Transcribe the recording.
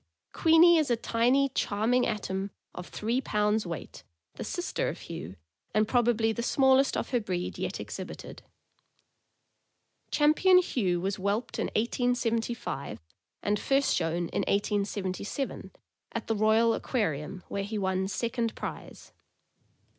Queenie is a tiny, charming atom of three pounds weight, the sister of Hugh, and probably the small est of her breed yet exhibited. Champion Hugh was whelped in 1875, and first shown in 1877, at the Royal Aquarium, where he won second prize.